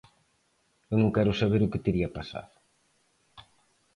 Eu non quero saber o que tería pasado.